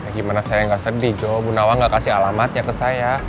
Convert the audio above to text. gimana saya gak sedih jo bunawang gak kasih alamatnya ke saya